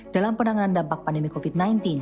dalam penanganan dampak pandemi covid sembilan belas